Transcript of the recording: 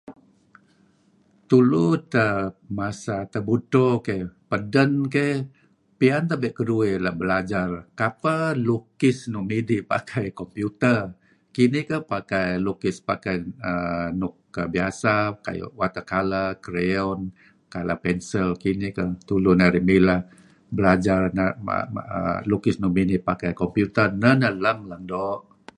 Tulu edtah masa tebudto keh, peden keh piyan tebe' beduih la' belajar nuk midih pakai computer. Kinih keh lukis pakai nuk biasa kuayu water colour, crayon, colour pencil kinih keh. Tulu narih mileh belajar lukis nuk midih pakai computer neh neh lang-lang doo''